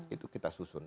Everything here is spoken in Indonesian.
itu kita susun